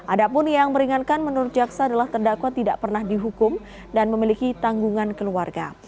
ada pun yang meringankan menurut jaksa adalah terdakwa tidak pernah dihukum dan memiliki tanggungan keluarga